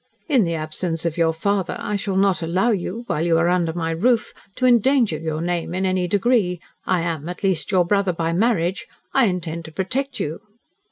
In the absence of your father, I shall not allow you, while you are under my roof, to endanger your name in any degree. I am, at least, your brother by marriage. I intend to protect you."